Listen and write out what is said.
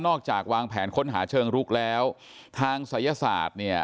จากวางแผนค้นหาเชิงรุกแล้วทางศัยศาสตร์เนี่ย